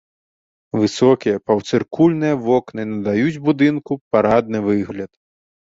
Высокія паўцыркульныя вокны надаюць будынку парадны выгляд.